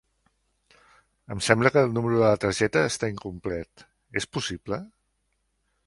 Em sembla que el número de la targeta està incomplet, és possible?